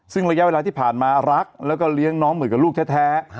ซึ่งระยะเวลาที่ผ่านมารักแล้วก็เลี้ยงน้องเหมือนกับลูกแท้